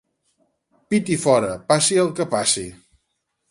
«Pit i fora, passi el que passi».